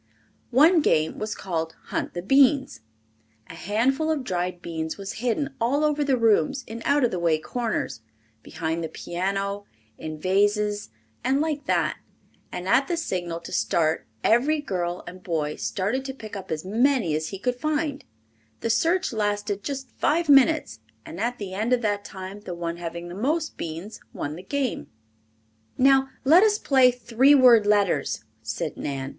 One game was called Hunt the Beans. A handful of dried beans was hidden all over the rooms, in out of the way corners, behind the piano, in vases, and like that, and at the signal to start every girl and boy started to pick up as many as could be found. The search lasted just five minutes, and at the end of that time the one having the most beans won the game. "Now let us play Three word Letters," said Nan.